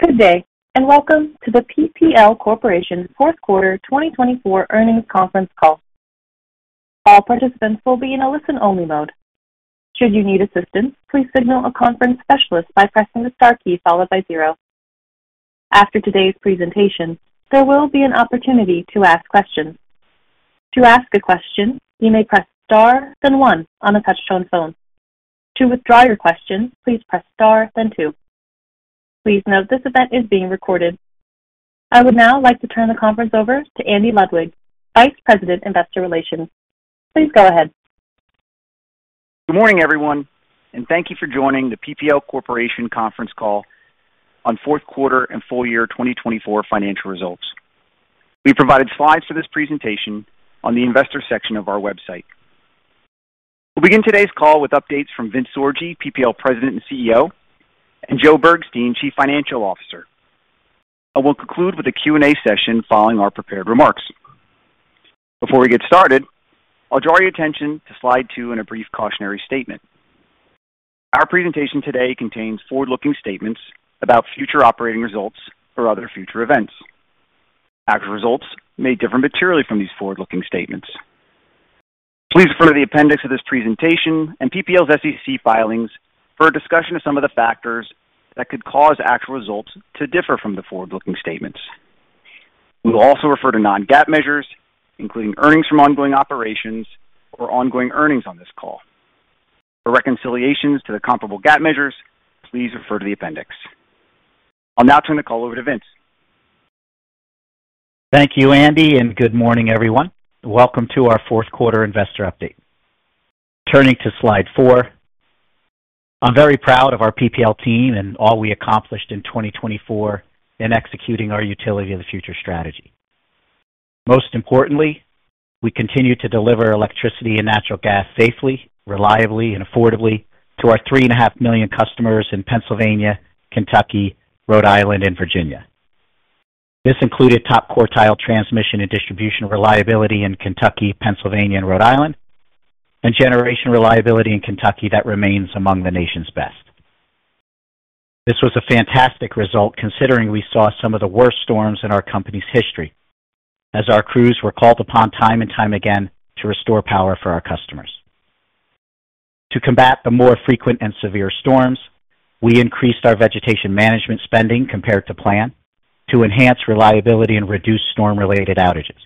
Good day, and welcome to the PPL Corporation Fourth Quarter 2024 Earnings Conference Call. All participants will be in a listen-only mode. Should you need assistance, please signal a conference specialist by pressing the star key followed by zero. After today's presentation, there will be an opportunity to ask questions. To ask a question, you may press star then one on a touch-tone phone. To withdraw your question, please press star then two. Please note this event is being recorded. I would now like to turn the conference over to Andy Ludwig, Vice President, Investor Relations. Please go ahead. Good morning, everyone, and thank you for joining the PPL Corporation Conference Call on Fourth Quarter and Full Year 2024 Financial Results. We provided slides for this presentation on the investor section of our website. We'll begin today's call with updates from Vince Sorgi, PPL President and CEO, and Joe Bergstein, Chief Financial Officer. I will conclude with a Q&A session following our prepared remarks. Before we get started, I'll draw your attention to slide two and a brief cautionary statement. Our presentation today contains forward-looking statements about future operating results or other future events. Actual results may differ materially from these forward-looking statements. Please refer to the appendix of this presentation and PPL's SEC filings for a discussion of some of the factors that could cause actual results to differ from the forward-looking statements. We will also refer to non-GAAP measures, including earnings from ongoing operations or ongoing earnings on this call. For reconciliations to the comparable GAAP measures, please refer to the appendix. I'll now turn the call over to Vince. Thank you, Andy, and good morning, everyone. Welcome to our Fourth Quarter Investor Update. Returning to slide four, I'm very proud of our PPL team and all we accomplished in 2024 in executing our Utility of the Future strategy. Most importantly, we continue to deliver electricity and natural gas safely, reliably, and affordably to our three and a half million customers in Pennsylvania, Kentucky, Rhode Island, and Virginia. This included top quartile transmission and distribution reliability in Kentucky, Pennsylvania, and Rhode Island, and generation reliability in Kentucky that remains among the nation's best. This was a fantastic result considering we saw some of the worst storms in our company's history, as our crews were called upon time and time again to restore power for our customers. To combat the more frequent and severe storms, we increased our vegetation management spending compared to plan to enhance reliability and reduce storm-related outages.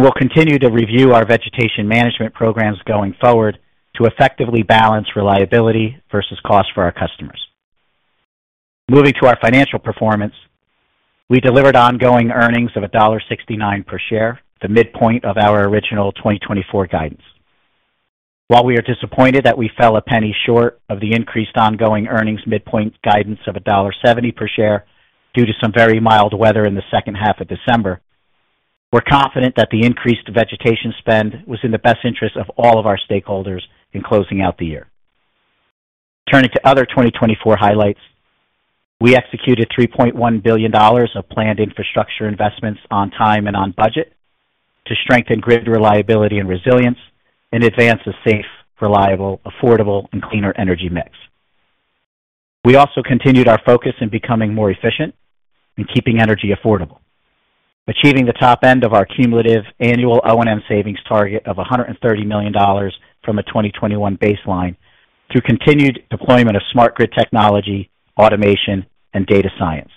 We'll continue to review our vegetation management programs going forward to effectively balance reliability versus cost for our customers. Moving to our financial performance, we delivered ongoing earnings of $1.69 per share, the midpoint of our original 2024 guidance. While we are disappointed that we fell a penny short of the increased ongoing earnings midpoint guidance of $1.70 per share due to some very mild weather in the second half of December, we're confident that the increased vegetation spend was in the best interest of all of our stakeholders in closing out the year. Turning to other 2024 highlights, we executed $3.1 billion of planned infrastructure investments on time and on budget to strengthen grid reliability and resilience and advance a safe, reliable, affordable, and cleaner energy mix. We also continued our focus in becoming more efficient and keeping energy affordable, achieving the top end of our cumulative annual O&M savings target of $130 million from a 2021 baseline through continued deployment of smart grid technology, automation, and data science.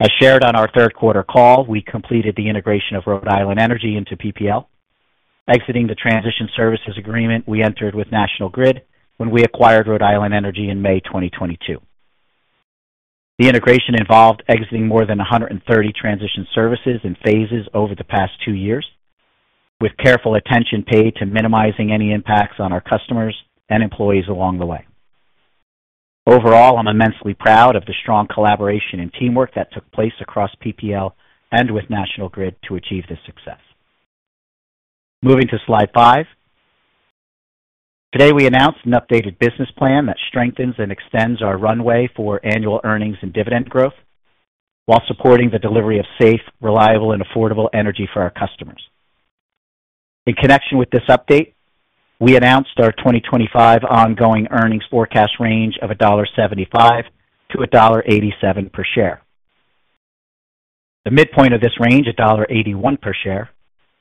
As shared on our third quarter call, we completed the integration of Rhode Island Energy into PPL, exiting the transition services agreement we entered with National Grid when we acquired Rhode Island Energy in May 2022. The integration involved exiting more than 130 transition services in phases over the past two years, with careful attention paid to minimizing any impacts on our customers and employees along the way. Overall, I'm immensely proud of the strong collaboration and teamwork that took place across PPL and with National Grid to achieve this success. Moving to slide five, today we announced an updated business plan that strengthens and extends our runway for annual earnings and dividend growth while supporting the delivery of safe, reliable, and affordable energy for our customers. In connection with this update, we announced our 2025 ongoing earnings forecast range of $1.75-$1.87 per share. The midpoint of this range, $1.81 per share,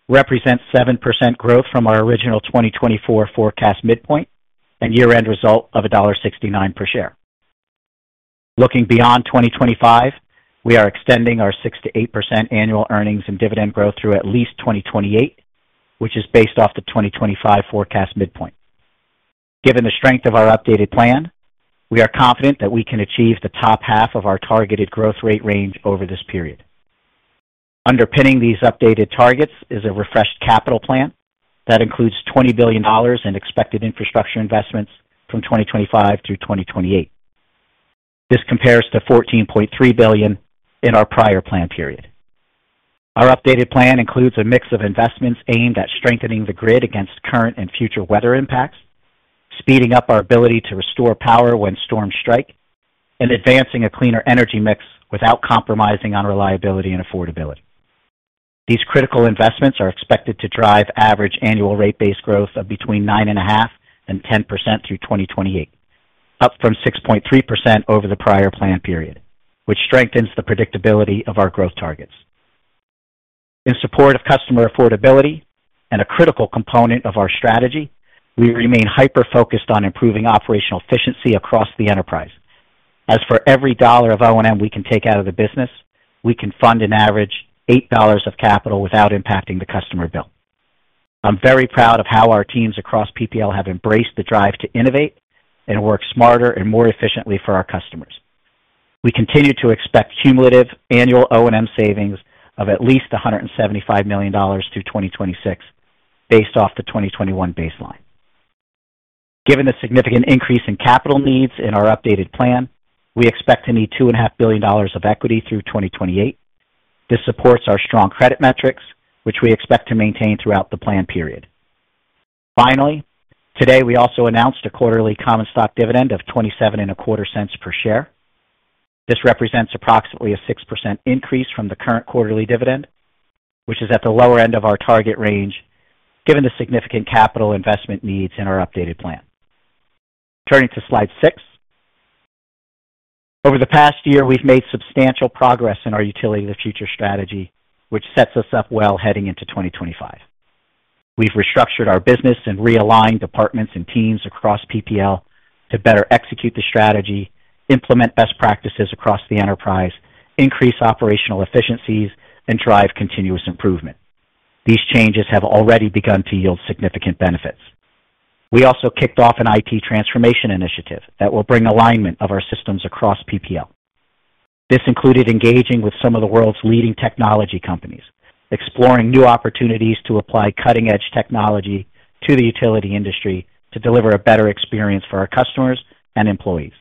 represents 7% growth from our original 2024 forecast midpoint and year-end result of $1.69 per share. Looking beyond 2025, we are extending our 6%-8% annual earnings and dividend growth through at least 2028, which is based off the 2025 forecast midpoint. Given the strength of our updated plan, we are confident that we can achieve the top half of our targeted growth rate range over this period. Underpinning these updated targets is a refreshed capital plan that includes $20 billion in expected infrastructure investments from 2025 through 2028. This compares to $14.3 billion in our prior plan period. Our updated plan includes a mix of investments aimed at strengthening the grid against current and future weather impacts, speeding up our ability to restore power when storms strike, and advancing a cleaner energy mix without compromising on reliability and affordability. These critical investments are expected to drive average annual rate-based growth of between 9.5% and 10% through 2028, up from 6.3% over the prior plan period, which strengthens the predictability of our growth targets. In support of customer affordability and a critical component of our strategy, we remain hyper-focused on improving operational efficiency across the enterprise. As for every dollar of O&M we can take out of the business, we can fund an average of $8 of capital without impacting the customer bill. I'm very proud of how our teams across PPL have embraced the drive to innovate and work smarter and more efficiently for our customers. We continue to expect cumulative annual O&M savings of at least $175 million through 2026, based off the 2021 baseline. Given the significant increase in capital needs in our updated plan, we expect to need $2.5 billion of equity through 2028. This supports our strong credit metrics, which we expect to maintain throughout the plan period. Finally, today we also announced a quarterly common stock dividend of $0.2725 per share. This represents approximately a 6% increase from the current quarterly dividend, which is at the lower end of our target range given the significant capital investment needs in our updated plan. Turning to slide six, over the past year, we've made substantial progress in our Utility of the Future strategy, which sets us up well heading into 2025. We've restructured our business and realigned departments and teams across PPL to better execute the strategy, implement best practices across the enterprise, increase operational efficiencies, and drive continuous improvement. These changes have already begun to yield significant benefits. We also kicked off an IT transformation initiative that will bring alignment of our systems across PPL. This included engaging with some of the world's leading technology companies, exploring new opportunities to apply cutting-edge technology to the utility industry to deliver a better experience for our customers and employees.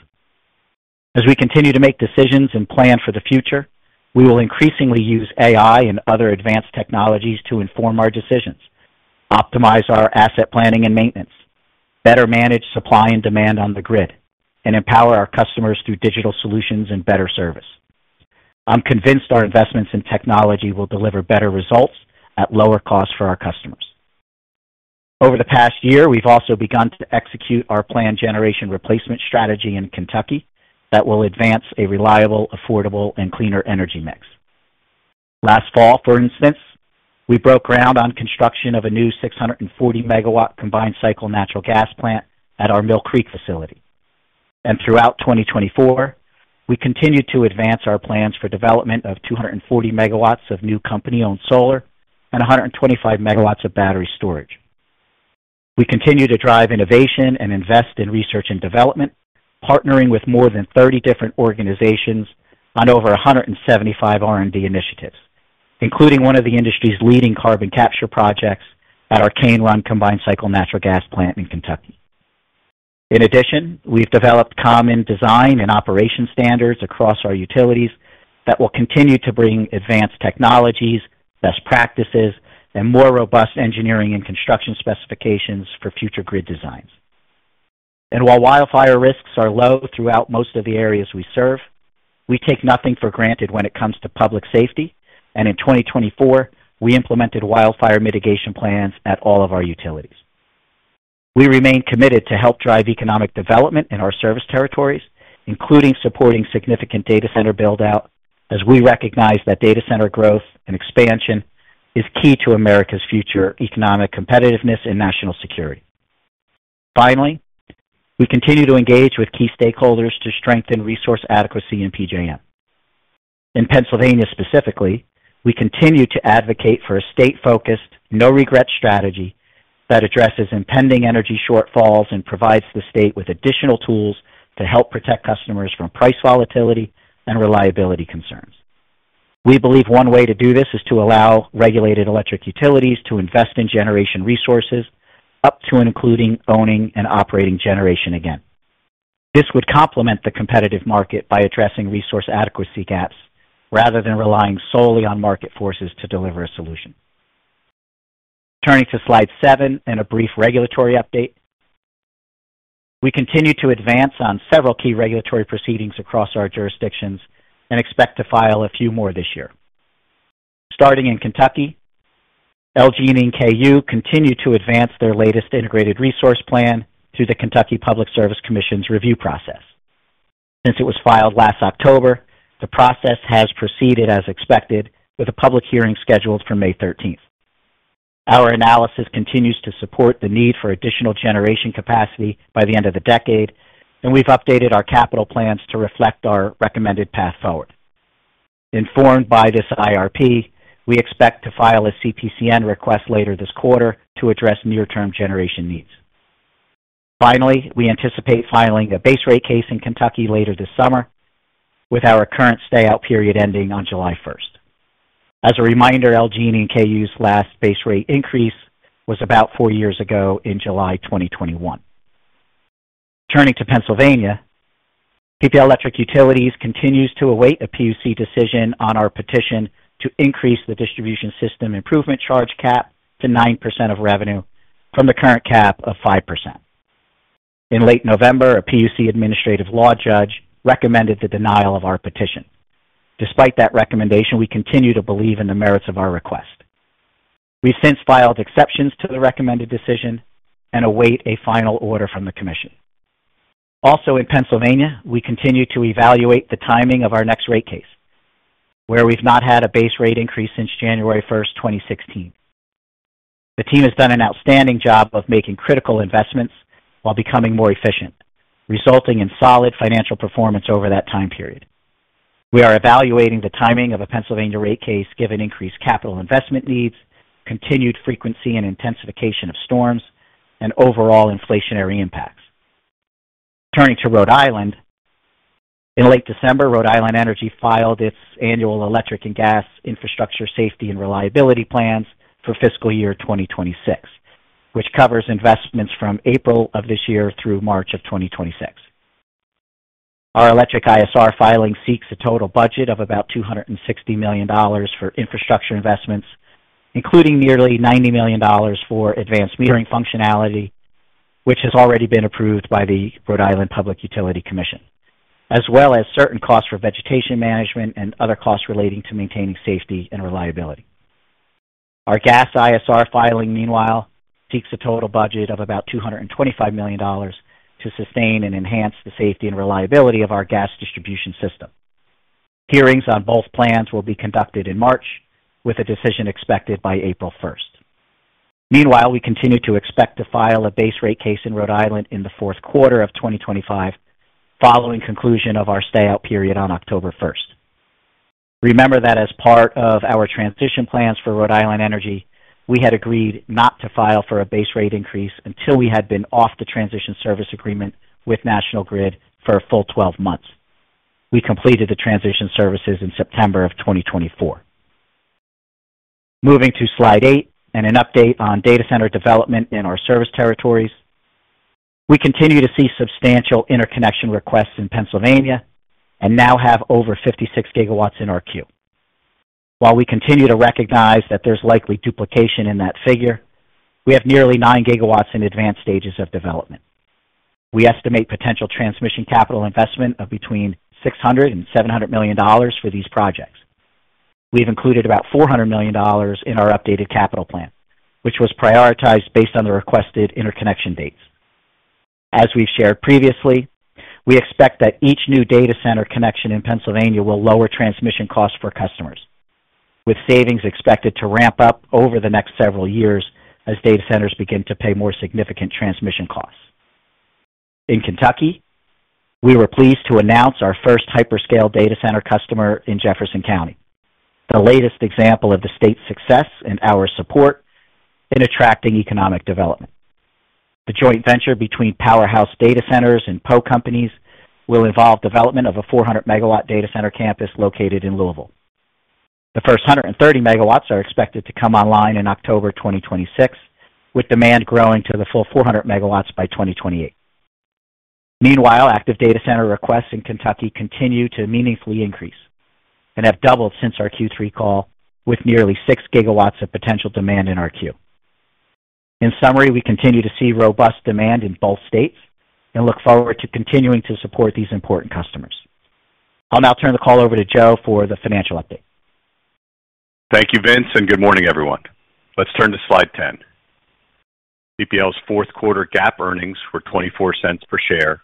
As we continue to make decisions and plan for the future, we will increasingly use AI and other advanced technologies to inform our decisions, optimize our asset planning and maintenance, better manage supply and demand on the grid, and empower our customers through digital solutions and better service. I'm convinced our investments in technology will deliver better results at lower costs for our customers. Over the past year, we've also begun to execute our planned generation replacement strategy in Kentucky that will advance a reliable, affordable, and cleaner energy mix. Last fall, for instance, we broke ground on construction of a new 640 MW combined cycle natural gas plant at our Mill Creek facility. And throughout 2024, we continued to advance our plans for development of 240 MW of new company-owned solar and 125 MW of battery storage. We continue to drive innovation and invest in research and development, partnering with more than 30 different organizations on over 175 R&D initiatives, including one of the industry's leading carbon capture projects at our Cane Run Combined Cycle Natural Gas Plant in Kentucky. In addition, we've developed common design and operation standards across our utilities that will continue to bring advanced technologies, best practices, and more robust engineering and construction specifications for future grid designs. And while wildfire risks are low throughout most of the areas we serve, we take nothing for granted when it comes to public safety, and in 2024, we implemented wildfire mitigation plans at all of our utilities. We remain committed to help drive economic development in our service territories, including supporting significant data center build-out, as we recognize that data center growth and expansion is key to America's future economic competitiveness and national security. Finally, we continue to engage with key stakeholders to strengthen resource adequacy in PJM. In Pennsylvania specifically, we continue to advocate for a state-focused, no-regret strategy that addresses impending energy shortfalls and provides the state with additional tools to help protect customers from price volatility and reliability concerns. We believe one way to do this is to allow regulated electric utilities to invest in generation resources up to and including owning and operating generation again. This would complement the competitive market by addressing resource adequacy gaps rather than relying solely on market forces to deliver a solution. Turning to slide seven and a brief regulatory update, we continue to advance on several key regulatory proceedings across our jurisdictions and expect to file a few more this year. Starting in Kentucky, LG&E and KU continue to advance their latest integrated resource plan through the Kentucky Public Service Commission's review process. Since it was filed last October, the process has proceeded as expected, with a public hearing scheduled for May 13th. Our analysis continues to support the need for additional generation capacity by the end of the decade, and we've updated our capital plans to reflect our recommended path forward. Informed by this IRP, we expect to file a CPCN request later this quarter to address near-term generation needs. Finally, we anticipate filing a base rate case in Kentucky later this summer, with our current stay-out period ending on July 1st. As a reminder, LG&E and KU's last base rate increase was about four years ago in July 2021. Turning to Pennsylvania, PPL Electric Utilities continues to await a PUC decision on our petition to increase the distribution system improvement charge cap to 9% of revenue from the current cap of 5%. In late November, a PUC administrative law judge recommended the denial of our petition. Despite that recommendation, we continue to believe in the merits of our request. We've since filed exceptions to the recommended decision and await a final order from the commission. Also, in Pennsylvania, we continue to evaluate the timing of our next rate case, where we've not had a base rate increase since January 1st, 2016. The team has done an outstanding job of making critical investments while becoming more efficient, resulting in solid financial performance over that time period. We are evaluating the timing of a Pennsylvania rate case given increased capital investment needs, continued frequency and intensification of storms, and overall inflationary impacts. Turning to Rhode Island, in late December, Rhode Island Energy filed its annual electric and gas infrastructure safety and reliability plans for fiscal year 2026, which covers investments from April of this year through March of 2026. Our electric ISR filing seeks a total budget of about $260 million for infrastructure investments, including nearly $90 million for advanced metering functionality, which has already been approved by the Rhode Island Public Utilities Commission, as well as certain costs for vegetation management and other costs relating to maintaining safety and reliability. Our gas ISR filing, meanwhile, seeks a total budget of about $225 million to sustain and enhance the safety and reliability of our gas distribution system. Hearings on both plans will be conducted in March, with a decision expected by April 1st. Meanwhile, we continue to expect to file a base rate case in Rhode Island in the fourth quarter of 2025, following conclusion of our stay-out period on October 1st. Remember that as part of our transition plans for Rhode Island Energy, we had agreed not to file for a base rate increase until we had been off the transition service agreement with National Grid for a full 12 months. We completed the transition services in September of 2024. Moving to slide eight and an update on data center development in our service territories, we continue to see substantial interconnection requests in Pennsylvania and now have over 56 GW in our queue. While we continue to recognize that there's likely duplication in that figure, we have nearly 9 GW in advanced stages of development. We estimate potential transmission capital investment of between $600 and $700 million for these projects. We've included about $400 million in our updated capital plan, which was prioritized based on the requested interconnection dates. As we've shared previously, we expect that each new data center connection in Pennsylvania will lower transmission costs for customers, with savings expected to ramp up over the next several years as data centers begin to pay more significant transmission costs. In Kentucky, we were pleased to announce our first hyperscale data center customer in Jefferson County, the latest example of the state's success and our support in attracting economic development. The joint venture between PowerHouse Data Centers and Poe Companies will involve the development of a 400 MW data center campus located in Louisville. The first 130 MW are expected to come online in October 2026, with demand growing to the full 400 MW by 2028. Meanwhile, active data center requests in Kentucky continue to meaningfully increase and have doubled since our Q3 call, with nearly 6 GW of potential demand in our queue. In summary, we continue to see robust demand in both states and look forward to continuing to support these important customers. I'll now turn the call over to Joe for the financial update. Thank you, Vince, and good morning, everyone. Let's turn to slide 10. PPL's fourth quarter GAAP earnings were $0.24 per share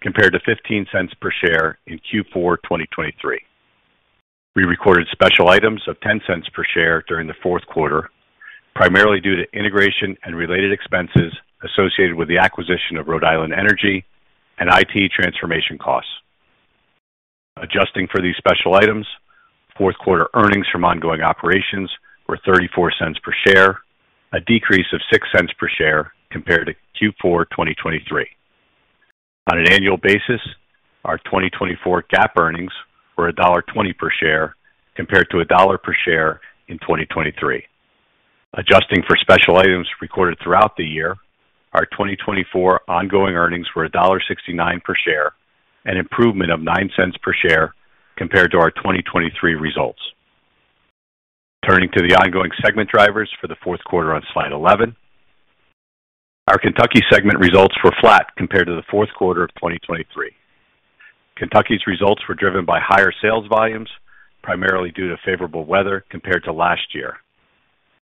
compared to $0.15 per share in Q4 2023. We recorded special items of $0.10 per share during the fourth quarter, primarily due to integration and related expenses associated with the acquisition of Rhode Island Energy and IT transformation costs. Adjusting for these special items, fourth quarter earnings from ongoing operations were $0.34 per share, a decrease of $0.06 per share compared to Q4 2023. On an annual basis, our 2024 GAAP earnings were $1.20 per share compared to $1.00 per share in 2023. Adjusting for special items recorded throughout the year, our 2024 ongoing earnings were $1.69 per share, an improvement of $0.09 per share compared to our 2023 results. Turning to the ongoing segment drivers for the fourth quarter on slide 11, our Kentucky segment results were flat compared to the fourth quarter of 2023. Kentucky's results were driven by higher sales volumes, primarily due to favorable weather compared to last year.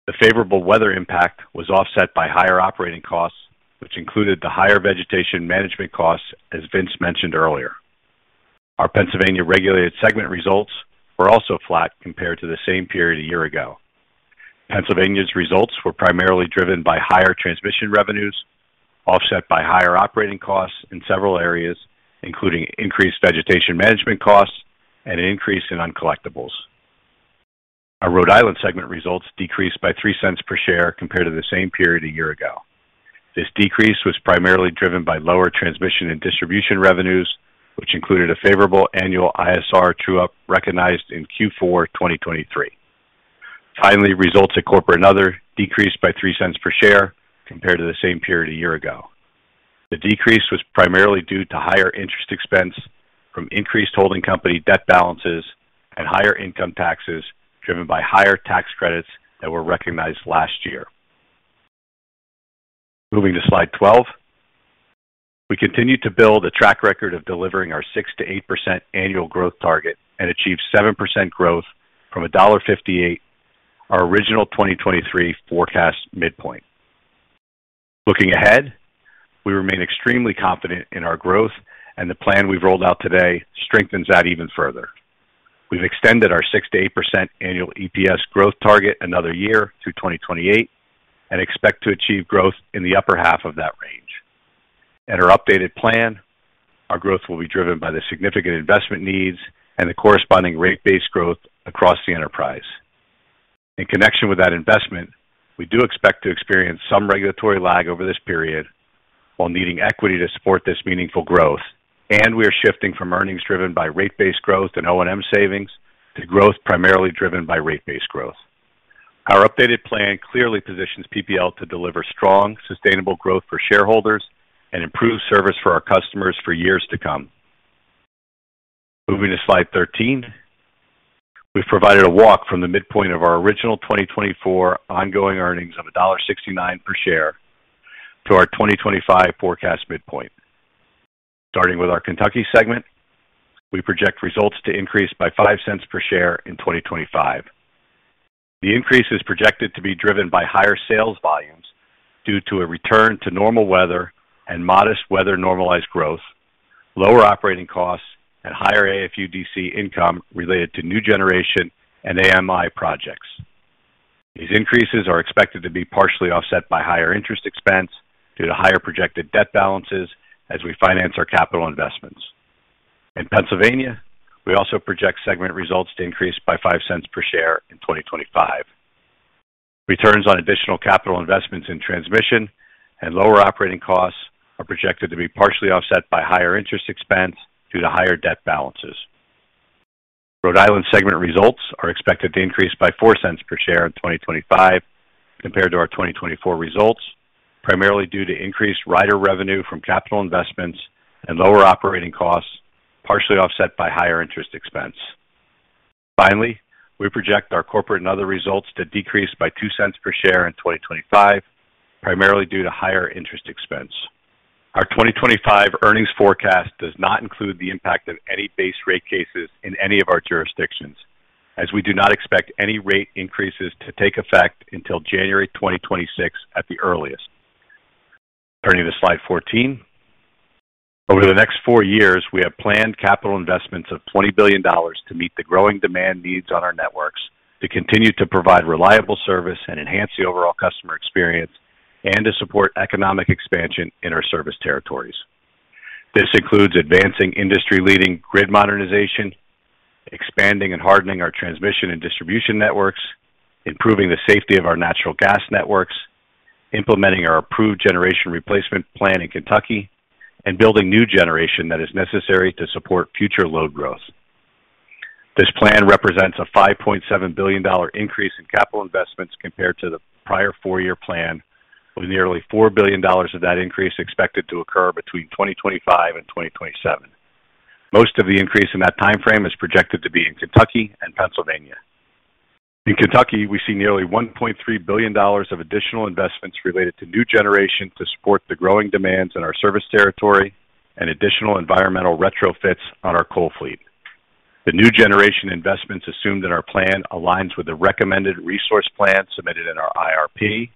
The favorable weather impact was offset by higher operating costs, which included the higher vegetation management costs, as Vince mentioned earlier. Our Pennsylvania regulated segment results were also flat compared to the same period a year ago. Pennsylvania's results were primarily driven by higher transmission revenues, offset by higher operating costs in several areas, including increased vegetation management costs and an increase in uncollectibles. Our Rhode Island segment results decreased by $0.03 per share compared to the same period a year ago. This decrease was primarily driven by lower transmission and distribution revenues, which included a favorable annual ISR true-up recognized in Q4 2023. Finally, results at corporate and other decreased by $0.03 per share compared to the same period a year ago. The decrease was primarily due to higher interest expense from increased holding company debt balances and higher income taxes driven by higher tax credits that were recognized last year. Moving to slide 12, we continue to build a track record of delivering our 6%-8% annual growth target and achieve 7% growth from $1.58, our original 2023 forecast midpoint. Looking ahead, we remain extremely confident in our growth, and the plan we've rolled out today strengthens that even further. We've extended our 6%-8% annual EPS growth target another year to 2028 and expect to achieve growth in the upper half of that range. In our updated plan, our growth will be driven by the significant investment needs and the corresponding rate-based growth across the enterprise. In connection with that investment, we do expect to experience some regulatory lag over this period while needing equity to support this meaningful growth, and we are shifting from earnings driven by rate-based growth and O&M savings to growth primarily driven by rate-based growth. Our updated plan clearly positions PPL to deliver strong, sustainable growth for shareholders and improved service for our customers for years to come. Moving to slide 13, we've provided a walk from the midpoint of our original 2024 ongoing earnings of $1.69 per share to our 2025 forecast midpoint. Starting with our Kentucky segment, we project results to increase by $0.05 per share in 2025. The increase is projected to be driven by higher sales volumes due to a return to normal weather and modest weather-normalized growth, lower operating costs, and higher AFUDC income related to new generation and AMI projects. These increases are expected to be partially offset by higher interest expense due to higher projected debt balances as we finance our capital investments. In Pennsylvania, we also project segment results to increase by $0.05 per share in 2025. Returns on additional capital investments in transmission and lower operating costs are projected to be partially offset by higher interest expense due to higher debt balances. Rhode Island segment results are expected to increase by $0.04 per share in 2025 compared to our 2024 results, primarily due to increased rider revenue from capital investments and lower operating costs, partially offset by higher interest expense. Finally, we project our corporate and other results to decrease by $0.02 per share in 2025, primarily due to higher interest expense. Our 2025 earnings forecast does not include the impact of any base rate cases in any of our jurisdictions, as we do not expect any rate increases to take effect until January 2026 at the earliest. Turning to slide 14, over the next four years, we have planned capital investments of $20 billion to meet the growing demand needs on our networks, to continue to provide reliable service and enhance the overall customer experience, and to support economic expansion in our service territories. This includes advancing industry-leading grid modernization, expanding and hardening our transmission and distribution networks, improving the safety of our natural gas networks, implementing our approved generation replacement plan in Kentucky, and building new generation that is necessary to support future load growth. This plan represents a $5.7 billion increase in capital investments compared to the prior four-year plan, with nearly $4 billion of that increase expected to occur between 2025 and 2027. Most of the increase in that timeframe is projected to be in Kentucky and Pennsylvania. In Kentucky, we see nearly $1.3 billion of additional investments related to new generation to support the growing demands in our service territory and additional environmental retrofits on our coal fleet. The new generation investments assumed in our plan aligns with the recommended resource plan submitted in our IRP,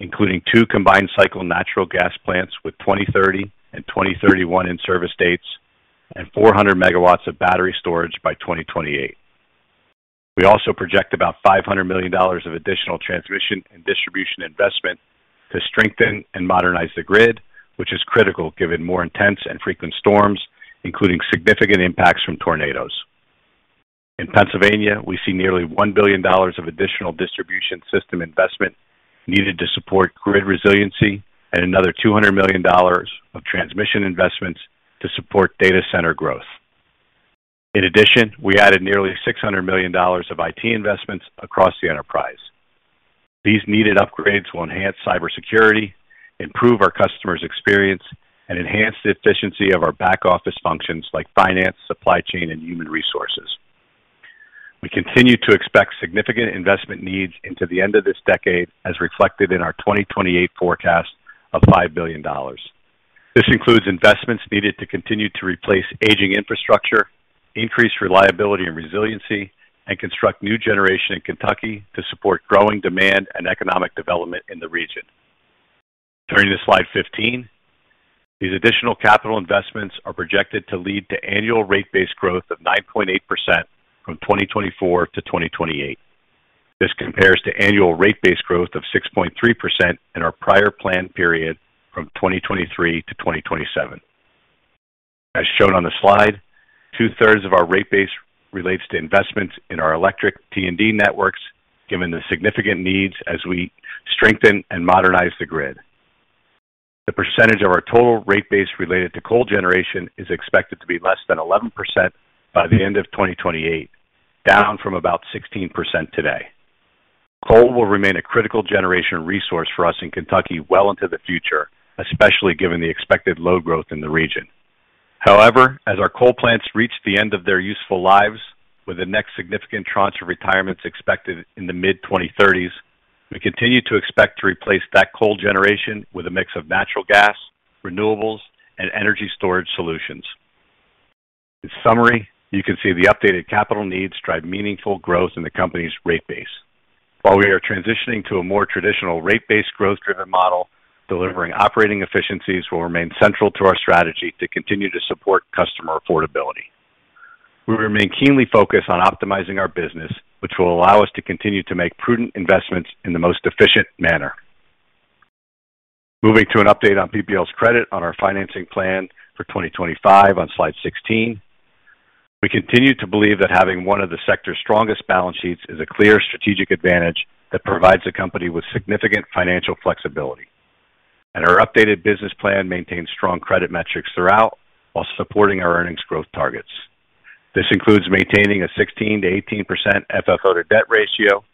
including two combined cycle natural gas plants with 2030 and 2031 in service dates and 400 MW of battery storage by 2028. We also project about $500 million of additional transmission and distribution investment to strengthen and modernize the grid, which is critical given more intense and frequent storms, including significant impacts from tornadoes. In Pennsylvania, we see nearly $1 billion of additional distribution system investment needed to support grid resiliency and another $200 million of transmission investments to support data center growth. In addition, we added nearly $600 million of IT investments across the enterprise. These needed upgrades will enhance cybersecurity, improve our customers' experience, and enhance the efficiency of our back office functions like finance, supply chain, and human resources. We continue to expect significant investment needs into the end of this decade, as reflected in our 2028 forecast of $5 billion. This includes investments needed to continue to replace aging infrastructure, increase reliability and resiliency, and construct new generation in Kentucky to support growing demand and economic development in the region. Turning to slide 15, these additional capital investments are projected to lead to annual rate-based growth of 9.8% from 2024 to 2028. This compares to annual rate-based growth of 6.3% in our prior planned period from 2023 to 2027. As shown on the slide, two-thirds of our rate base relates to investments in our electric T&D networks, given the significant needs as we strengthen and modernize the grid. The percentage of our total rate base related to coal generation is expected to be less than 11% by the end of 2028, down from about 16% today. Coal will remain a critical generation resource for us in Kentucky well into the future, especially given the expected load growth in the region. However, as our coal plants reach the end of their useful lives, with the next significant tranche of retirements expected in the mid-2030s, we continue to expect to replace that coal generation with a mix of natural gas, renewables, and energy storage solutions. In summary, you can see the updated capital needs drive meaningful growth in the company's rate base. While we are transitioning to a more traditional rate-based growth-driven model, delivering operating efficiencies will remain central to our strategy to continue to support customer affordability. We remain keenly focused on optimizing our business, which will allow us to continue to make prudent investments in the most efficient manner. Moving to an update on PPL's credit on our financing plan for 2025 on slide 16, we continue to believe that having one of the sector's strongest balance sheets is a clear strategic advantage that provides the company with significant financial flexibility. And our updated business plan maintains strong credit metrics throughout while supporting our earnings growth targets. This includes maintaining a 16%-18% FFO to debt ratio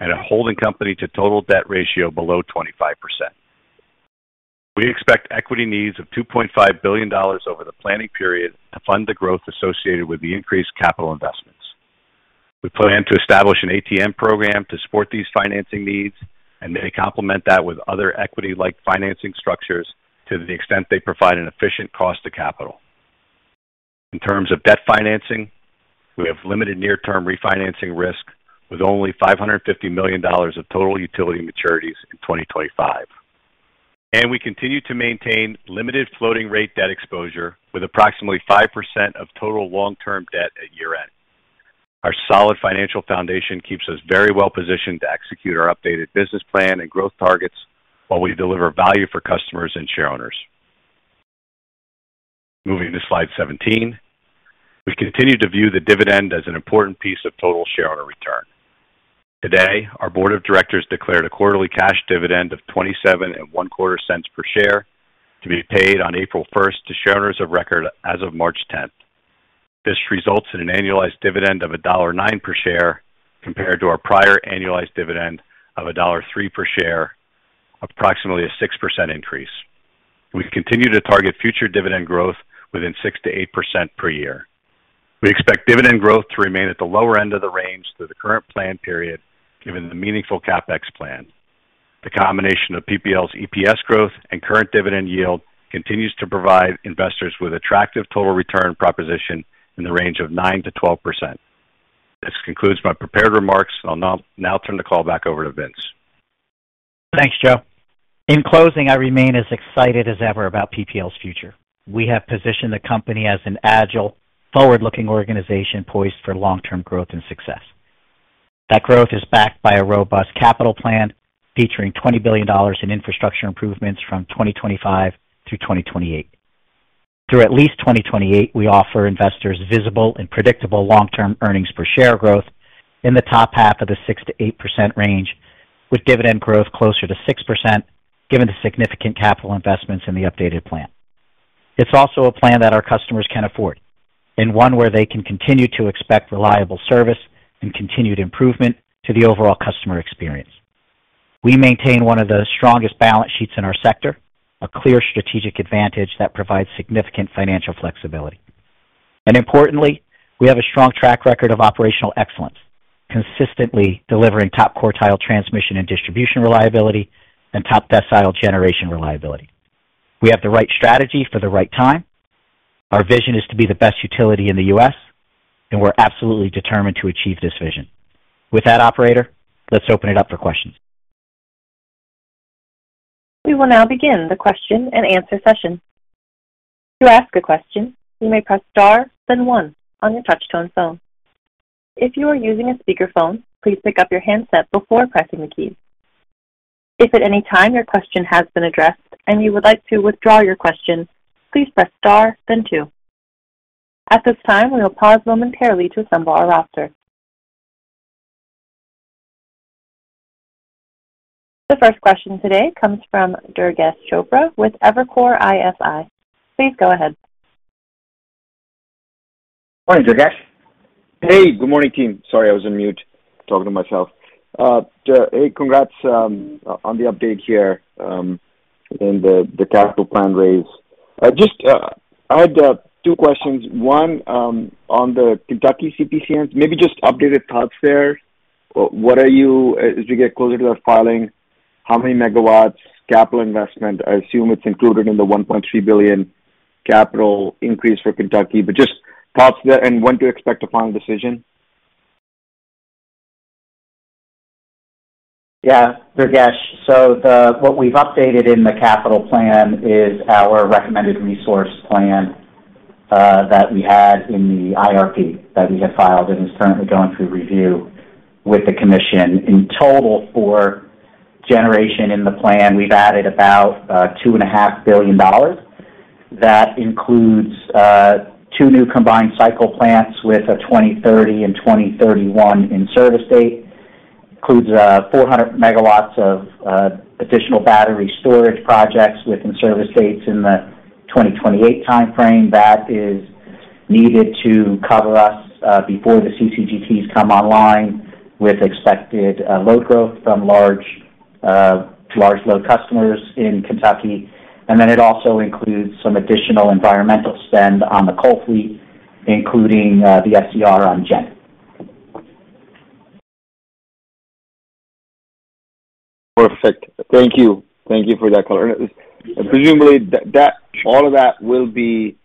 and a holding company to total debt ratio below 25%. We expect equity needs of $2.5 billion over the planning period to fund the growth associated with the increased capital investments. We plan to establish an ATM program to support these financing needs and then complement that with other equity-like financing structures to the extent they provide an efficient cost to capital. In terms of debt financing, we have limited near-term refinancing risk with only $550 million of total utility maturities in 2025. And we continue to maintain limited floating rate debt exposure with approximately 5% of total long-term debt at year-end. Our solid financial foundation keeps us very well positioned to execute our updated business plan and growth targets while we deliver value for customers and share owners. Moving to slide 17, we continue to view the dividend as an important piece of total shareholder return. Today, our board of directors declared a quarterly cash dividend of $0.2725 per share to be paid on April 1st to share owners of record as of March 10th. This results in an annualized dividend of $1.09 per share compared to our prior annualized dividend of $1.03 per share, approximately a 6% increase. We continue to target future dividend growth within 6%-8% per year. We expect dividend growth to remain at the lower end of the range through the current planned period given the meaningful CapEx plan. The combination of PPL's EPS growth and current dividend yield continues to provide investors with attractive total return proposition in the range of 9%-12%. This concludes my prepared remarks. I'll now turn the call back over to Vince. Thanks, Joe. In closing, I remain as excited as ever about PPL's future. We have positioned the company as an agile, forward-looking organization poised for long-term growth and success. That growth is backed by a robust capital plan featuring $20 billion in infrastructure improvements from 2025 through 2028. Through at least 2028, we offer investors visible and predictable long-term earnings per share growth in the top half of the 6%-8% range, with dividend growth closer to 6% given the significant capital investments in the updated plan. It's also a plan that our customers can afford and one where they can continue to expect reliable service and continued improvement to the overall customer experience. We maintain one of the strongest balance sheets in our sector, a clear strategic advantage that provides significant financial flexibility, and importantly, we have a strong track record of operational excellence, consistently delivering top quartile transmission and distribution reliability and top decile generation reliability. We have the right strategy for the right time. Our vision is to be the best utility in the U.S., and we're absolutely determined to achieve this vision. With that, Operator, let's open it up for questions. We will now begin the question and answer session. To ask a question, you may press *, then one on your touch-tone phone. If you are using a speakerphone, please pick up your handset before pressing the keys. If at any time your question has been addressed and you would like to withdraw your question, please press *, then two. At this time, we will pause momentarily to assemble our roster. The first question today comes from Durgesh Chopra with Evercore ISI. Please go ahead. Morning, Durgesh. Hey, good morning, team. Sorry, I was on mute talking to myself. Hey, congrats on the update here and the capital plan raise. Just, I had two questions. One on the Kentucky CPCN, maybe just updated thoughts there. What are you as you get closer to that filing? How many megawatts capital investment? I assume it's included in the $1.3 billion capital increase for Kentucky, but just thoughts there and when to expect a final decision. Yeah, Durgesh. So what we've updated in the capital plan is our recommended resource plan that we had in the IRP that we had filed and is currently going through review with the commission. In total for generation in the plan, we've added about $2.5 billion. That includes two new combined cycle plants with a 2030 and 2031 in service date. Includes 400 MW of additional battery storage projects within service dates in the 2028 timeframe that is needed to cover us before the CCGTs come online with expected load growth from large load customers in Kentucky. And then it also includes some additional environmental spend on the coal fleet, including the SCR on Ghent. Perfect. Thank you. Thank you for that, caller. Presumably, all of that will be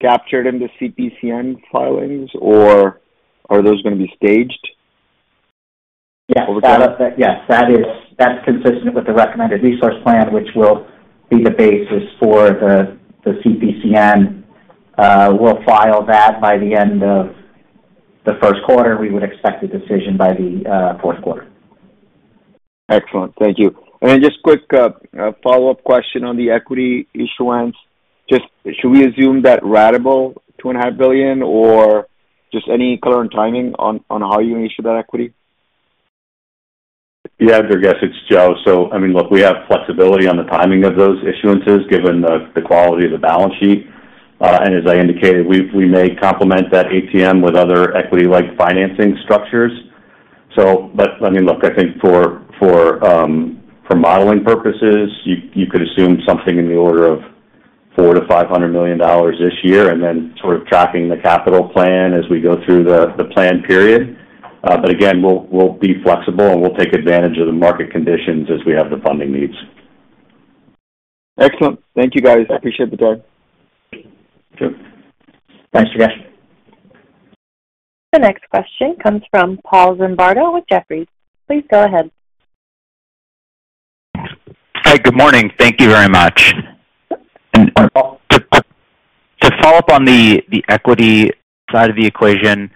captured in the CPCN filings, or are those going to be staged? Yeah, that's consistent with the recommended resource plan, which will be the basis for the CPCN. We'll file that by the end of the first quarter. We would expect a decision by the fourth quarter. Excellent. Thank you. And just quick follow-up question on the equity issuance. Should we assume that ratable $2.5 billion, or just any color and timing on how you issue that equity? Yeah, Durgesh, it's Joe. So I mean, look, we have flexibility on the timing of those issuances given the quality of the balance sheet. And as I indicated, we may complement that ATM with other equity-like financing structures. But I mean, look, I think for modeling purposes, you could assume something in the order of $400 million-$500 million this year and then sort of tracking the capital plan as we go through the planned period. But again, we'll be flexible, and we'll take advantage of the market conditions as we have the funding needs. Excellent. Thank you, guys. Appreciate the time. Thanks, Durgesh. The next question comes from Paul Zimbardo with Jefferies. Please go ahead. Hi, good morning. Thank you very much. And to follow up on the equity side of the equation,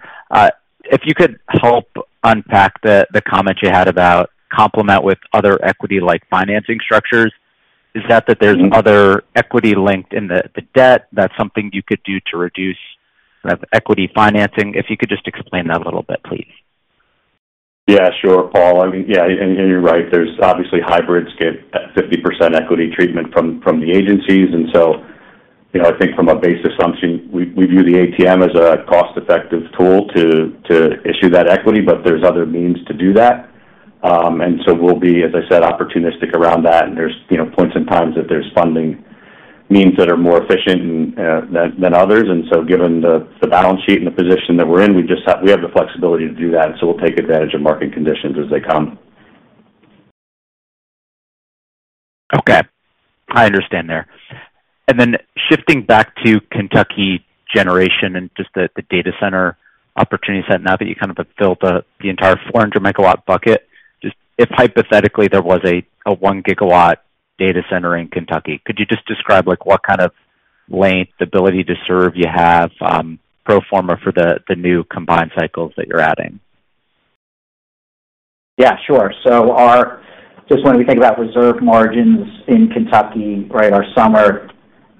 if you could help unpack the comment you had about complement with other equity-like financing structures, is that there's other equity linked in the debt? That's something you could do to reduce equity financing. If you could just explain that a little bit, please. Yeah, sure, Paul. I mean, yeah, and you're right. There's obviously hybrids get 50% equity treatment from the agencies. And so I think from a base assumption, we view the ATM as a cost-effective tool to issue that equity, but there's other means to do that. And so we'll be, as I said, opportunistic around that. And there's points in times that there's funding means that are more efficient than others. And so given the balance sheet and the position that we're in, we have the flexibility to do that. And so we'll take advantage of market conditions as they come. Okay. I understand there. And then shifting back to Kentucky generation and just the data center opportunity set now that you kind of have filled the entire 400 MW bucket, just if hypothetically there was a 1 GW data center in Kentucky, could you just describe what kind of lead time, ability to serve you have pro forma for the new combined cycles that you're adding? Yeah, sure. So just when we think about reserve margins in Kentucky, right, our summer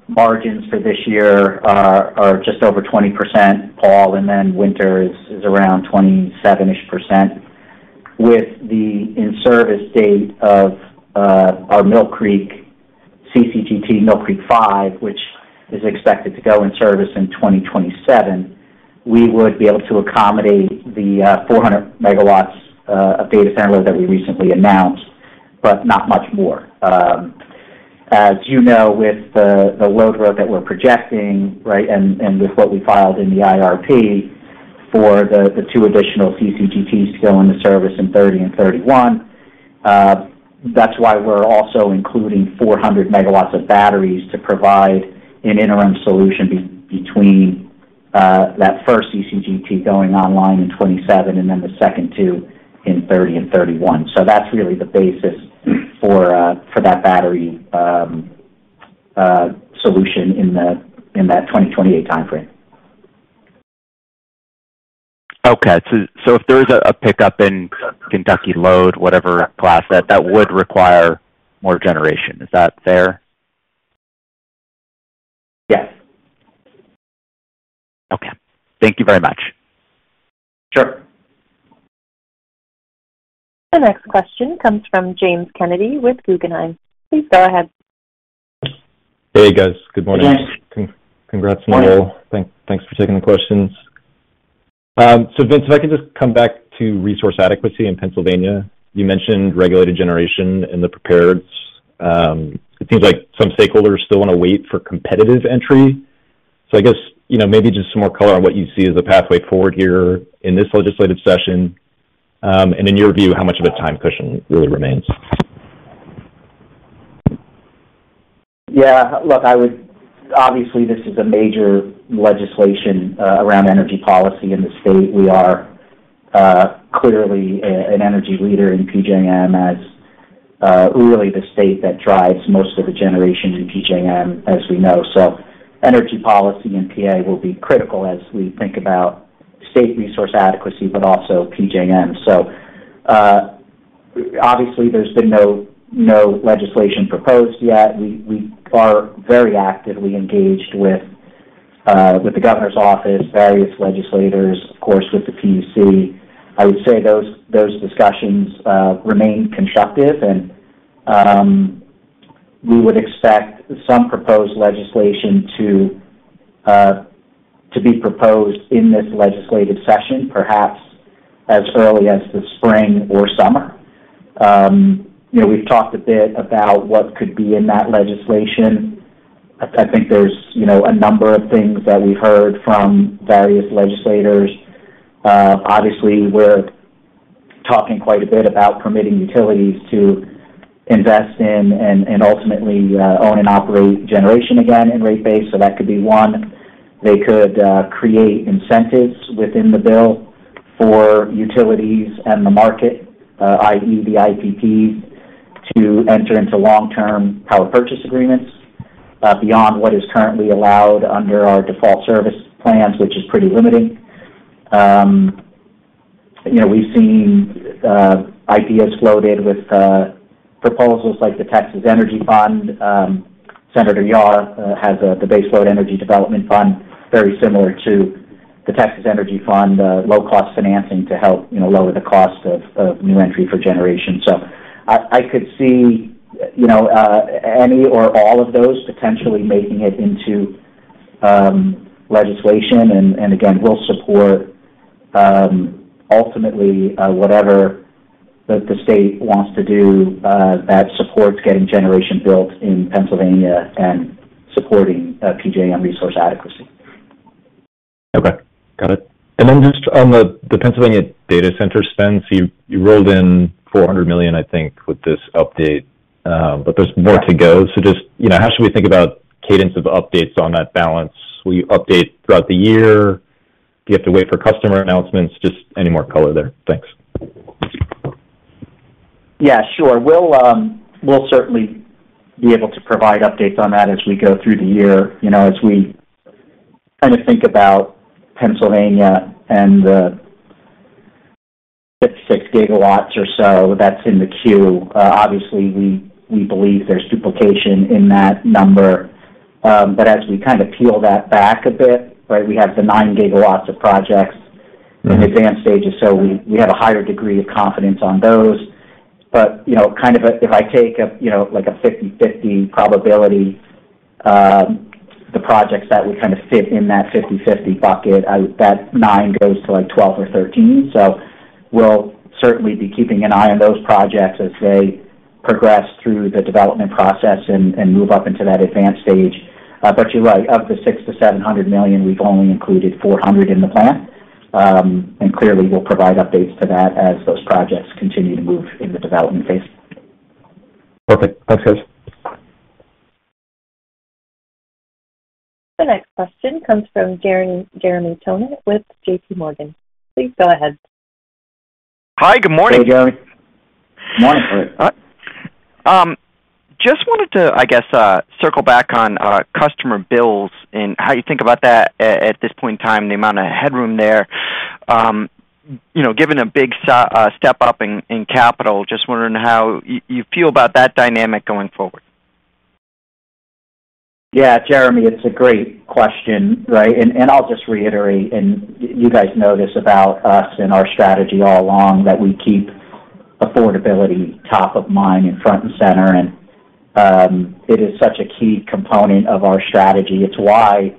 margins for this year are just over 20%, Paul, and then winter is around 27-ish%. With the in-service date of our Mill Creek CCGT, Mill Creek 5, which is expected to go in service in 2027, we would be able to accommodate the 400 MW of data center load that we recently announced, but not much more. As you know, with the load growth that we're projecting, right? And with what we filed in the IRP for the two additional CCGTs to go into service in 2030 and 2031, that's why we're also including 400 MW of batteries to provide an interim solution between that first CCGT going online in 2027 and then the second two in 2030 and 2031. So that's really the basis for that battery solution in that 2028 timeframe. Okay. So if there is a pickup in Kentucky load, whatever class, that would require more generation. Is that fair? Yes. Okay. Thank you very much. Sure. The next question comes from James Kennedy with Guggenheim. Please go ahead. Hey, guys. Good morning. Congrats on the role. Thanks for taking the questions. So Vince, if I could just come back to resource adequacy in Pennsylvania. You mentioned regulated generation and the PJMs. It seems like some stakeholders still want to wait for competitive entry. So I guess maybe just some more color on what you see as a pathway forward here in this legislative session and in your view, how much of a time cushion really remains? Yeah. Look, obviously, this is a major legislation around energy policy in the state. We are clearly an energy leader in PJM as really the state that drives most of the generation in PJM, as we know. So energy policy and PA will be critical as we think about state resource adequacy, but also PJM. So obviously, there's been no legislation proposed yet. We are very actively engaged with the governor's office, various legislators, of course, with the PUC. I would say those discussions remain constructive. We would expect some proposed legislation to be proposed in this legislative session, perhaps as early as the spring or summer. We've talked a bit about what could be in that legislation. I think there's a number of things that we've heard from various legislators. Obviously, we're talking quite a bit about permitting utilities to invest in and ultimately own and operate generation again in rate-based. So that could be one. They could create incentives within the bill for utilities and the market, i.e., the IPPs, to enter into long-term power purchase agreements beyond what is currently allowed under our default service plans, which is pretty limiting. We've seen ideas floated with proposals like the Texas Energy Fund. Senator Yaw has the Baseload Energy Development Fund, very similar to the Texas Energy Fund, low-cost financing to help lower the cost of new entry for generation. So I could see any or all of those potentially making it into legislation. And again, we'll support ultimately whatever the state wants to do that supports getting generation built in Pennsylvania and supporting PJM resource adequacy. Okay. Got it. And then just on the Pennsylvania data center spend, so you rolled in $400 million, I think, with this update, but there's more to go. So just how should we think about cadence of updates on that balance? Will you update throughout the year? Do you have to wait for customer announcements? Just any more color there. Thanks. Yeah, sure. We'll certainly be able to provide updates on that as we go through the year as we kind of think about Pennsylvania and the 6 GW or so that's in the queue. Obviously, we believe there's duplication in that number. But as we kind of peel that back a bit, right, we have the 9 GW of projects in advanced stages. So we have a higher degree of confidence on those. But kind of if I take a 50/50 probability, the projects that would kind of fit in that 50/50 bucket, that 9 GW goes to 12 GW or 13 GW. So we'll certainly be keeping an eye on those projects as they progress through the development process and move up into that advanced stage. But you're right, of the $600 million-$700 million, we've only included $400 million in the plan. And clearly, we'll provide updates to that as those projects continue to move in the development phase. Perfect. Thanks, guys. The next question comes from Jeremy Tonet with J.P. Morgan. Please go ahead. Hi, good morning. Hey, Jeremy. Good morning. Just wanted to, I guess, circle back on customer bills and how you think about that at this point in time, the amount of headroom there. Given a big step up in capital, just wondering how you feel about that dynamic going forward. Yeah, Jeremy, it's a great question, right? I'll just reiterate, and you guys know this about us and our strategy all along that we keep affordability top of mind and front and center. It is such a key component of our strategy. It's why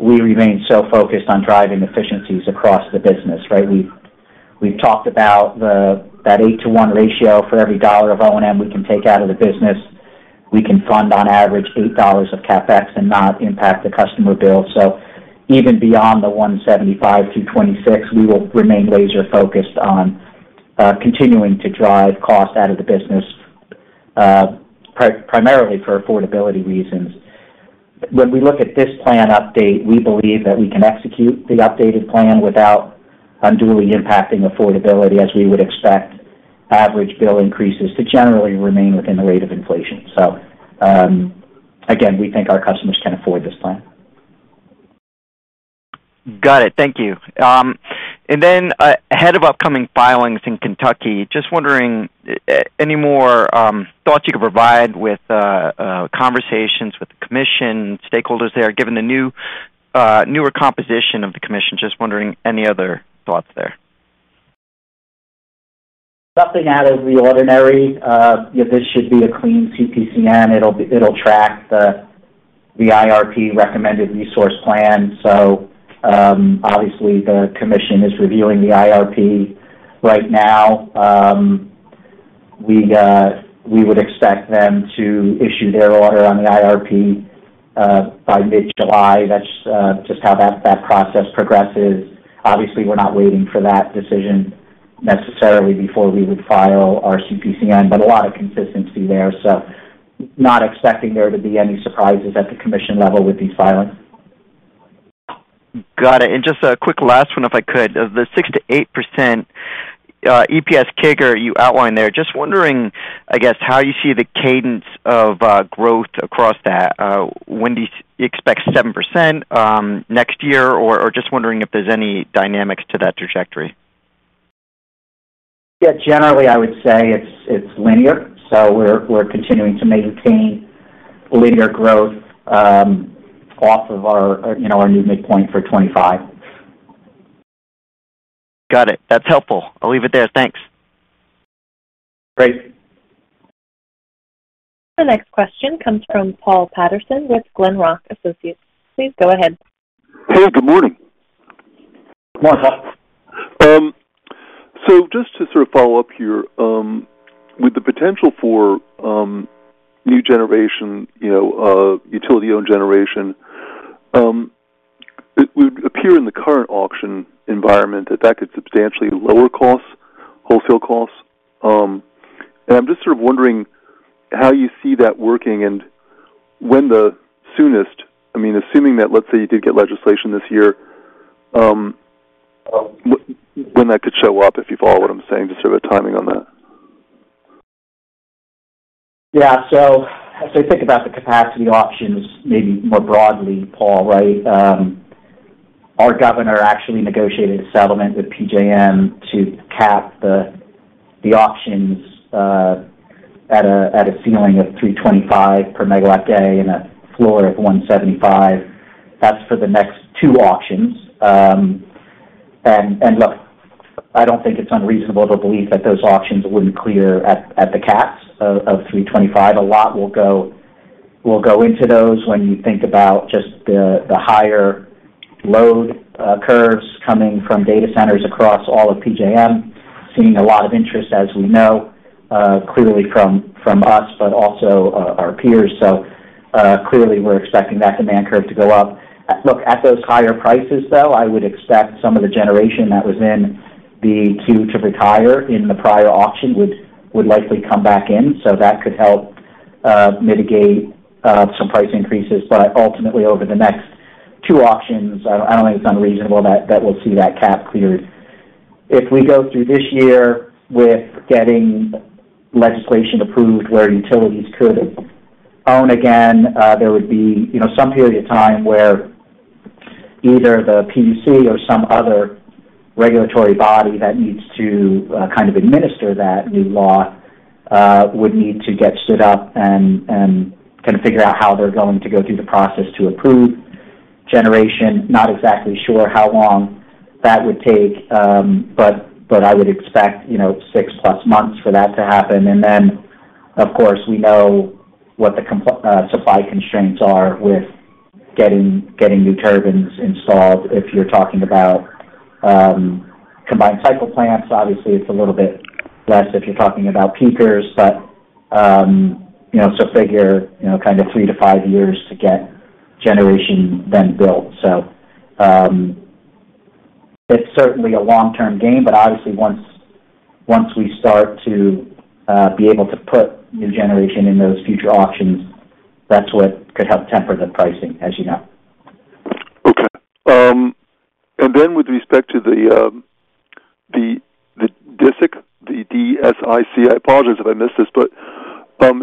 we remain so focused on driving efficiencies across the business, right? We've talked about that eight to one ratio for every dollar of O&M we can take out of the business. We can fund on average $8 of CapEx and not impact the customer bill. So even beyond the 175-26, we will remain laser-focused on continuing to drive cost out of the business primarily for affordability reasons. When we look at this plan update, we believe that we can execute the updated plan without unduly impacting affordability as we would expect average bill increases to generally remain within the rate of inflation. So again, we think our customers can afford this plan. Got it. Thank you. And then ahead of upcoming filings in Kentucky, just wondering any more thoughts you could provide with conversations with the commission, stakeholders there, given the newer composition of the commission. Just wondering any other thoughts there. Nothing out of the ordinary. This should be a clean CPCN. It will track the IRP recommended resource plan. So obviously, the commission is reviewing the IRP right now. We would expect them to issue their order on the IRP by mid-July. That's just how that process progresses. Obviously, we're not waiting for that decision necessarily before we would file our CPCN, but a lot of consistency there. So not expecting there to be any surprises at the commission level with these filings. Got it. And just a quick last one, if I could. The 6%-8% EPS kicker you outlined there, just wondering, I guess, how you see the cadence of growth across that. You expect 7% next year or just wondering if there's any dynamics to that trajectory? Yeah. Generally, I would say it's linear. So we're continuing to maintain linear growth off of our new midpoint for 2025. Got it. That's helpful. I'll leave it there. Thanks. Great. The next question comes from Paul Patterson with Glenrock Associates. Please go ahead. Hey, good morning. Good morning, Paul. So just to sort of follow up here with the potential for new generation, utility-owned generation, it would appear in the current auction environment that that could substantially lower wholesale costs. And I'm just sort of wondering how you see that working and when the soonest, I mean, assuming that, let's say, you did get legislation this year, when that could show up if you follow what I'm saying, just sort of a timing on that. Yeah. So as I think about the capacity auctions maybe more broadly, Paul, right, our governor actually negotiated a settlement with PJM to cap the auctions at a ceiling of 325 per megawatt day and a floor of 175. That's for the next two auctions. And look, I don't think it's unreasonable to believe that those auctions wouldn't clear at the caps of 325. A lot will go into those when you think about just the higher load curves coming from data centers across all of PJM, seeing a lot of interest, as we know, clearly from us, but also our peers. So clearly, we're expecting that demand curve to go up. Look, at those higher prices, though, I would expect some of the generation that was in the queue to retire in the prior auction would likely come back in. So that could help mitigate some price increases. But ultimately, over the next two auctions, I don't think it's unreasonable that we'll see that cap cleared. If we go through this year with getting legislation approved where utilities could own again, there would be some period of time where either the PUC or some other regulatory body that needs to kind of administer that new law would need to get stood up and kind of figure out how they're going to go through the process to approve generation. Not exactly sure how long that would take, but I would expect six-plus months for that to happen, and then, of course, we know what the supply constraints are with getting new turbines installed. If you're talking about combined cycle plants, obviously, it's a little bit less if you're talking about peakers, but so figure kind of three to five years to get generation then built, so it's certainly a long-term gain. But obviously, once we start to be able to put new generation in those future auctions, that's what could help temper the pricing, as you know. Okay. And then with respect to the DSIC, the D-S-I-C, I apologize if I missed this, but at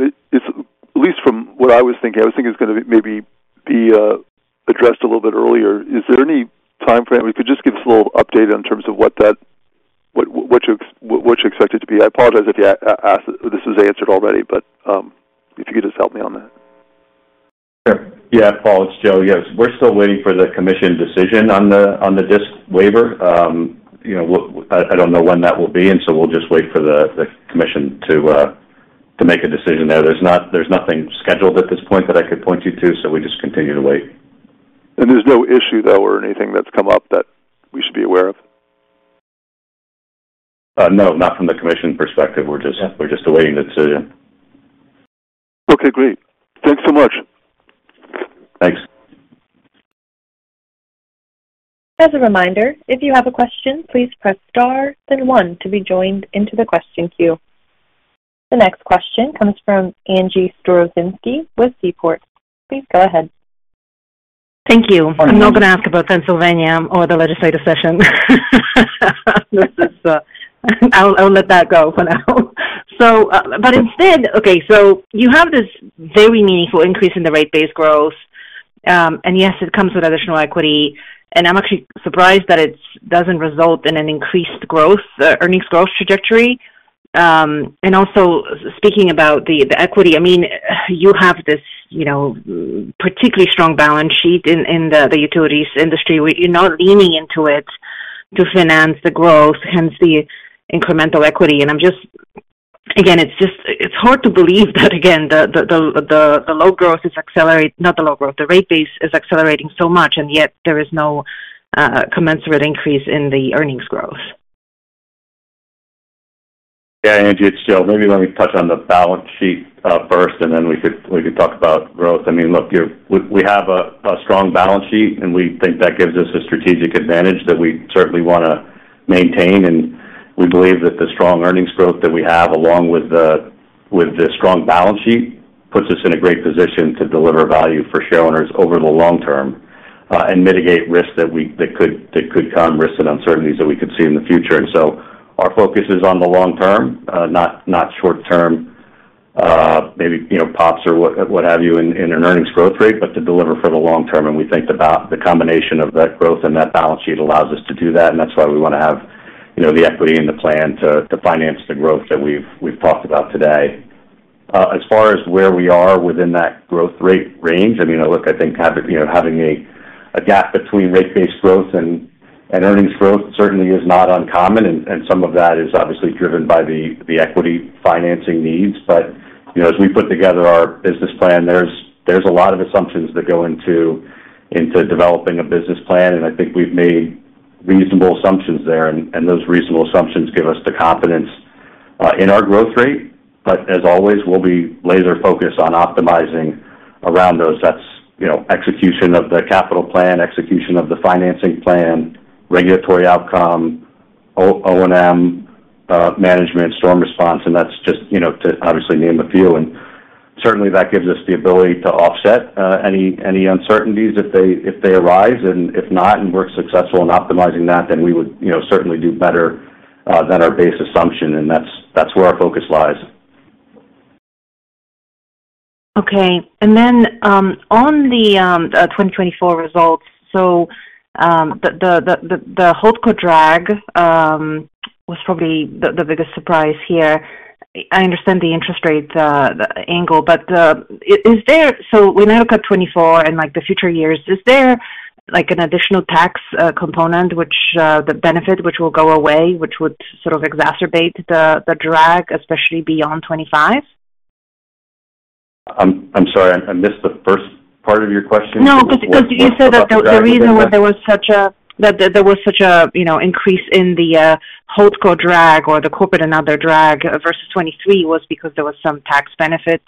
least from what I was thinking, I was thinking it was going to maybe be addressed a little bit earlier. Is there any time frame? If you could just give us a little update in terms of what you expect it to be. I apologize if this was answered already, but if you could just help me on that. Sure. Yeah, Paul, it's Joe. Yes. We're still waiting for the commission decision on the DSIC waiver. I don't know when that will be, and so we'll just wait for the commission to make a decision there. There's nothing scheduled at this point that I could point you to, so we just continue to wait. And there's no issue, though, or anything that's come up that we should be aware of? No, not from the commission perspective. We're just awaiting the decision. Okay. Great. Thanks so much. Thanks. As a reminder, if you have a question, please press star, then one to be joined into the question queue. The next question comes from Angie Storozynski with Seaport. Please go ahead. Thank you. I'm not going to ask about Pennsylvania or the legislative session. I'll let that go for now. But instead, okay, so you have this very meaningful increase in the rate-based growth. And yes, it comes with additional equity. And I'm actually surprised that it doesn't result in an increased earnings growth trajectory. Also speaking about the equity, I mean, you have this particularly strong balance sheet in the utilities industry. You're not leaning into it to finance the growth, hence the incremental equity. Again, it's hard to believe that, again, the low growth is accelerating, not the low growth, the rate base is accelerating so much, and yet there is no commensurate increase in the earnings growth. Yeah, Angie, it's Joe. Maybe let me touch on the balance sheet first, and then we can talk about growth. I mean, look, we have a strong balance sheet, and we think that gives us a strategic advantage that we certainly want to maintain. And we believe that the strong earnings growth that we have, along with the strong balance sheet, puts us in a great position to deliver value for shareholders over the long term and mitigate risks that could come, risks and uncertainties that we could see in the future. And so our focus is on the long term, not short term, maybe pops or what have you in an earnings growth rate, but to deliver for the long term. And we think the combination of that growth and that balance sheet allows us to do that. And that's why we want to have the equity in the plan to finance the growth that we've talked about today. As far as where we are within that growth rate range, I mean, look, I think having a gap between rate-based growth and earnings growth certainly is not uncommon. And some of that is obviously driven by the equity financing needs. But as we put together our business plan, there's a lot of assumptions that go into developing a business plan. And I think we've made reasonable assumptions there. And those reasonable assumptions give us the confidence in our growth rate. But as always, we'll be laser-focused on optimizing around those. That's execution of the capital plan, execution of the financing plan, regulatory outcome, O&M management, storm response. And that's just to obviously name a few. And certainly, that gives us the ability to offset any uncertainties if they arise. And if not and we're successful in optimizing that, then we would certainly do better than our base assumption. And that's where our focus lies. Okay. And then on the 2024 results, so the cold weather drag was probably the biggest surprise here. I understand the interest rate angle, but is there, so when I look at 2024 and the future years, is there an additional tax component, the benefit which will go away, which would sort of exacerbate the drag, especially beyond 2025? I'm sorry. I missed the first part of your question. No, because you said that the reason why there was such an increase in the [Holdco] drag or the corporate and other drag versus 2023 was because there was some tax benefit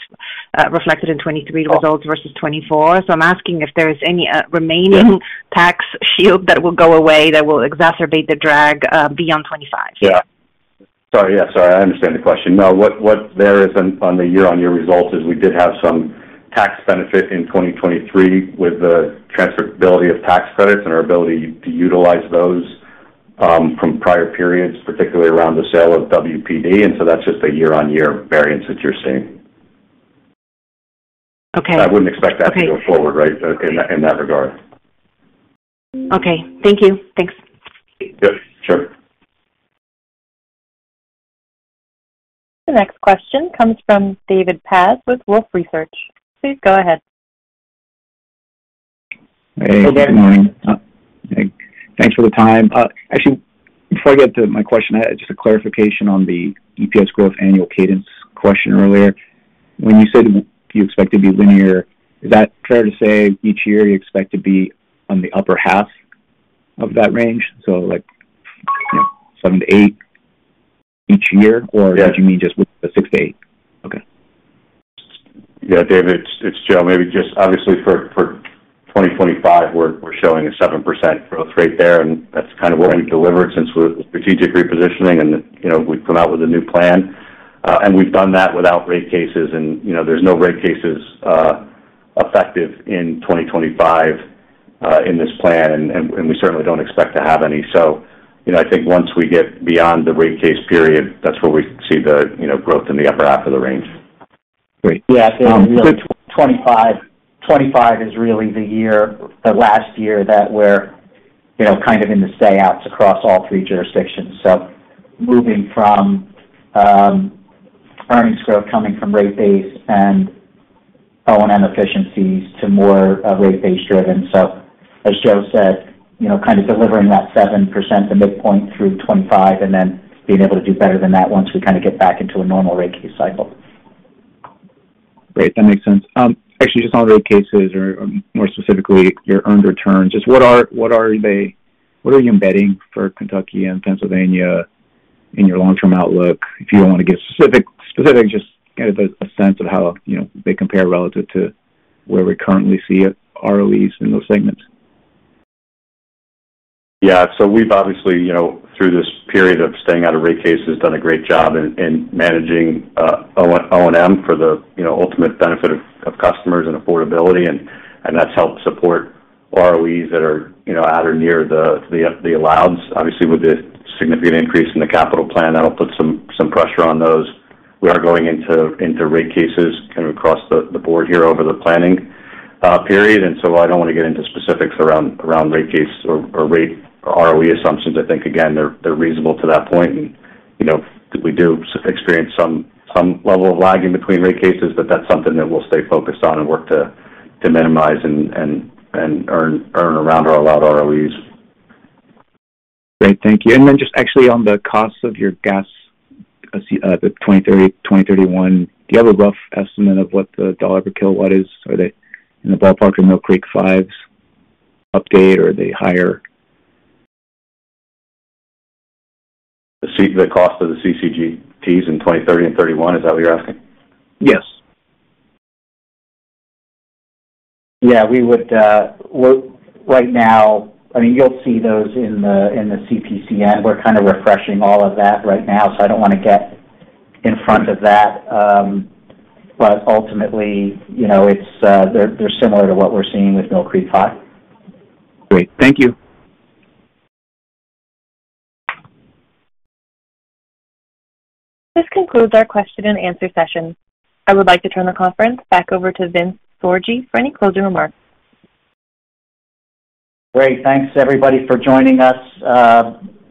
reflected in 2023 results versus 2024. So I'm asking if there is any remaining tax shield that will go away that will exacerbate the drag beyond 2025. Yeah. Sorry. Yeah. Sorry. I understand the question. No, what there is on the year-on-year results is we did have some tax benefit in 2023 with the transferability of tax credits and our ability to utilize those from prior periods, particularly around the sale of WPD, and so that's just a year-on-year variance that you're seeing. I wouldn't expect that to go forward, right, in that regard. Okay. Thank you. Thanks. Yep. Sure. The next question comes from David Paz with Wolfe Research. Please go ahead. Hey. Good morning. Thanks for the time. Actually, before I get to my question, I had just a clarification on the EPS growth annual cadence question earlier. When you said you expect to be linear, is that fair to say each year you expect to be on the upper half of that range, so like seven to eight each year? Or did you mean just with the six to eight? Okay. Yeah, David, it's Joe. Maybe just obviously for 2025, we're showing a 7% growth rate there. And that's kind of what we've delivered since we're strategic repositioning. And we've come out with a new plan. And we've done that without rate cases. And there's no rate cases effective in 2025 in this plan. And we certainly don't expect to have any. So I think once we get beyond the rate case period, that's where we see the growth in the upper half of the range. Great. Yeah. So 2025 is really the last year that we're kind of in the stay-outs across all three jurisdictions. So moving from earnings growth coming from rate-based and O&M efficiencies to more rate-based driven. So as Joe said, kind of delivering that 7% to midpoint through 2025 and then being able to do better than that once we kind of get back into a normal rate case cycle. Great. That makes sense. Actually, just on rate cases or more specifically your earned returns, just what are you embedding for Kentucky and Pennsylvania in your long-term outlook? If you don't want to get specific, just kind of a sense of how they compare relative to where we currently see ROEs in those segments. Yeah. So we've obviously, through this period of staying out of rate cases, done a great job in managing O&M for the ultimate benefit of customers and affordability, and that's helped support ROEs that are at or near the allowance. Obviously, with the significant increase in the capital plan, that'll put some pressure on those. We are going into rate cases kind of across the board here over the planning period. And so I don't want to get into specifics around rate case or rate ROE assumptions. I think, again, they're reasonable to that point. And we do experience some level of lagging between rate cases, but that's something that we'll stay focused on and work to minimize and earn around our allowed ROEs. Great. Thank you. And then just actually on the costs of your gas of 2031, do you have a rough estimate of what the dollar per kilowatt is? Are they in the ballpark of Mill Creek 5's update, or are they higher? The cost of the CCGTs in 2030 and 2031, is that what you're asking? Yes. Yeah. Right now, I mean, you'll see those in the CPCN. We're kind of refreshing all of that right now, so I don't want to get in front of that. But ultimately, they're similar to what we're seeing with Mill Creek 5. Great. Thank you. This concludes our question-and-answer session. I would like to turn the conference back over to Vince Sorgi for any closing remarks. Great. Thanks, everybody, for joining us.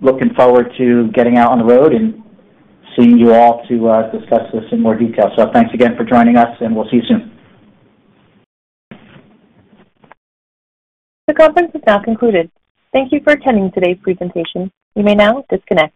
Looking forward to getting out on the road and seeing you all to discuss this in more detail. So thanks again for joining us, and we'll see you soon. The conference is now concluded. Thank you for attending today's presentation. You may now disconnect.